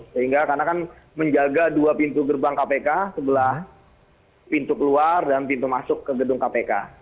sehingga karena kan menjaga dua pintu gerbang kpk sebelah pintu keluar dan pintu masuk ke gedung kpk